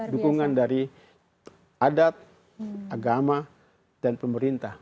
dukungan dari adat agama dan pemerintah